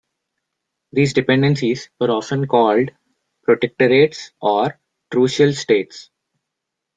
These dependencies were often called "protectorates" or "trucial states".